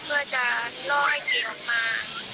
เพื่อจะล่อให้กินออกมา